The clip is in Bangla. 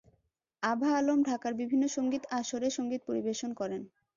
আভা আলম ঢাকার বিভিন্ন সঙ্গীত-আসরে সঙ্গীত পরিবেশন করেন।